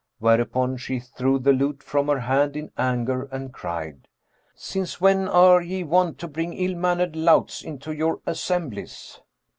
Whereupon she threw the lute from her hand in anger, and cried, 'Since when are ye wont to bring ill mannered louts into your assemblies?'